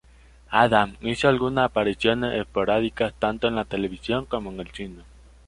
Adams hizo alguna apariciones esporádicas tanto en la televisión como en el cine.